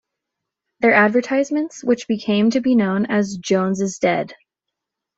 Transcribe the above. Their advertisements, which became to be known as Jones is Dead!